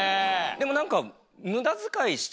でも何か。